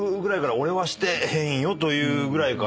「俺はしてへんよ」というぐらいから。